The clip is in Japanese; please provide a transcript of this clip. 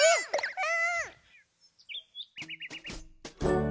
うん！